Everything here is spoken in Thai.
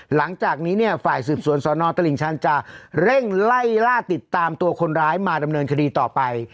หลังจากนี้เนี่ยฝ่ายสืบสวนสนตลิ่งชันจะเร่งไล่ล่าติดตามตัวคนร้ายมาดำเนินคดีต่อไป